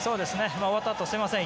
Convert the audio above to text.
終わったあと、すみません